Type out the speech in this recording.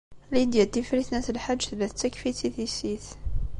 Lidya n Tifrit n At Lḥaǧ tella tettakf-itt i tissit.